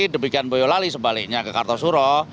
demikian boyolali sebaliknya ke kartosuro